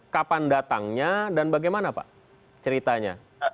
kapan datangnya dan bagaimana pak ceritanya